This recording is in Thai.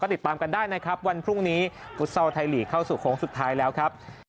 ติดตามกันได้นะครับวันพรุ่งนี้ฟุตซอลไทยลีกเข้าสู่โค้งสุดท้ายแล้วครับ